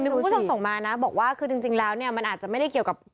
มีผู้ส่งส่งมาคือจริงแล้วคือก็ไม่น่ะว่าเกี่ยวกับ